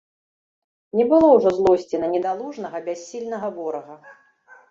Не было ўжо злосці на недалужнага, бяссільнага ворага.